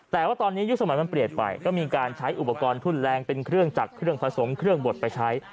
แต่ว่าตอนนี้ยุคสมัยมันเปลี่ยนไปก็มีการใช้อุปกรณ์ทุ่นแรงเป็นเครื่องจักรเครื่องผสมเครื่องบดไปใช้